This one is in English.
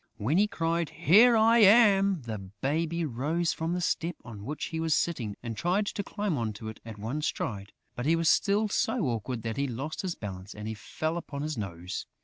When he cried, "Here I am!" the baby rose from the step on which he was sitting and tried to climb on to it at one stride; but he was still so awkward that he lost his balance and fell upon his nose.